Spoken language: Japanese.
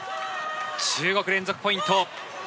中国、連続ポイント。